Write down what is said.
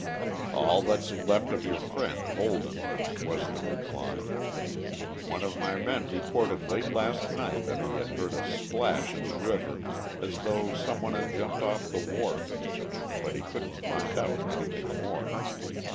"All that's left of your friend Holden," was the reply. "One of my men reported late last night that he had heard a splash in the river as though some one had jumped off the wharf, but he couldn't find out anything more.